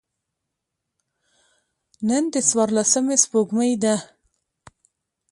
نن د څوارلسمي سپوږمۍ ده.